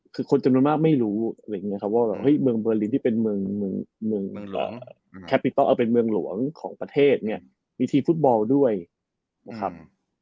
คือคนจำนวนมากไม่รู้ว่าเมืองเบอร์ลินที่เป็นเมืองหลวงของประเทศเนี่ยมีทีมฟุตบอลด้วยนะครับ